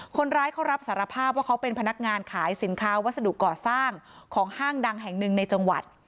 คนร้ายเขารับสารภาพว่าเขาเป็นพนักงานขายสินค้าวัสดุก่อสร้างของห้างดังแห่งหนึ่งในจังหวัด